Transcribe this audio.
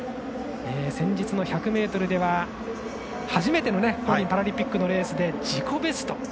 先日の１００ｍでは初めてのパラリンピックのレースで自己ベスト。